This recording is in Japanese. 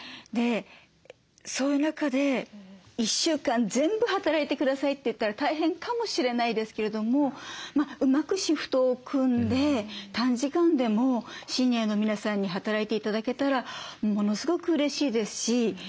そういう中で１週間全部働いて下さいといったら大変かもしれないですけれどもうまくシフトを組んで短時間でもシニアの皆さんに働いて頂けたらものすごくうれしいですし。